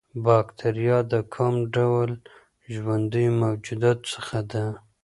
باکتریا د کوم ډول ژوندیو موجوداتو څخه ده